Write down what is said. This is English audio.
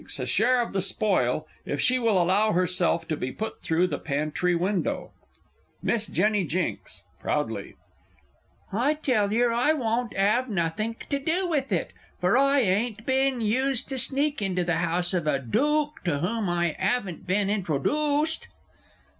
a share of the spoil, if she will allow herself to be put through the pantry window. Miss J. J. (proudly). I tell yer I won't 'ave nothink to do with it, fur I ain't been used To sneak into the house of a Dook to whom I 'aven't been introdooced!